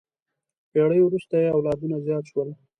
پېړۍ وروسته یې اولادونه زیات شول.